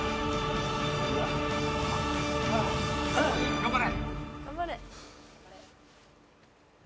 ・頑張れ！